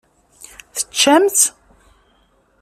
Teččamt-tt?